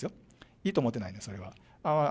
いいとは思ってないです、それは。